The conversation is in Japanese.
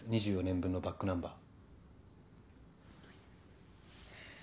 ２４年分のバックナンバー。